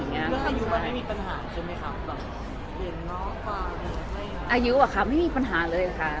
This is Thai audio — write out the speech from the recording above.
เมื่ออายุมันไม่มีปัญหาใช่ไหมคะแบบเห็นอายุอะค่ะไม่มีปัญหาเลยค่ะ